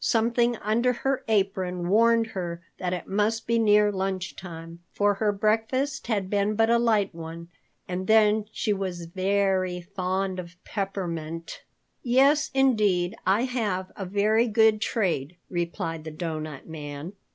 Something under her apron warned her that it must be near lunch time, for her breakfast had been but a light one, and then she was very fond of peppermint. "Yes, indeed, I have a very good trade," replied the Doughnut Man.